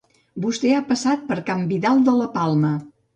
Vostè ha passat per can Vidal de la Palma.